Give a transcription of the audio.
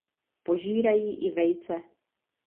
Požírají i vejce.